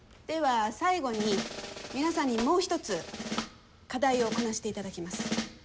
では最後に皆さんにもう一つ課題をこなしていただきます。